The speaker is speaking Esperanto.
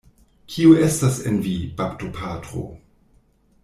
Kio estas en vi, baptopatro?